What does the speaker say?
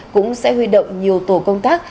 cũng sẽ huy động nhiều tổ công tác